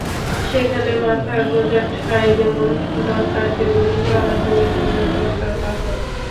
সেখানে মাথা গোঁজার ঠাঁই যেমন দরকার, তেমনি চলাচলের জন্য দরকার বাহন।